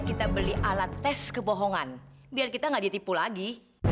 kita beli alat tes kebohongan biar kita nggak ditipu lagi